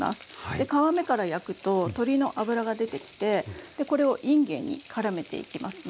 で皮目から焼くと鶏の脂が出てきてでこれをいんげんにからめていきますね。